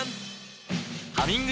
「ハミング」